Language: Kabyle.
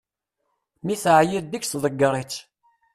Mi teɛyiḍ deg-s ḍegger-itt.